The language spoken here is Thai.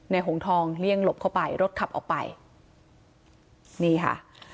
หงทองเลี่ยงหลบเข้าไปรถขับออกไปนี่ค่ะ